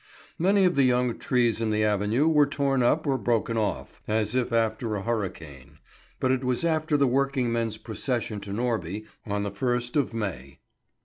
Many of the young trees in the avenue were torn up or broken off, as if after a hurricane; but it was after the working men's procession to Norby on the first of May.